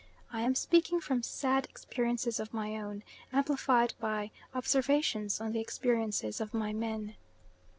I am speaking from sad experiences of my own, amplified by observations on the experiences of my men.